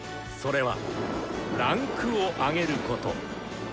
それは「位階を上げる」こと。